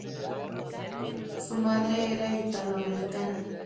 Su madre era ítalo americana.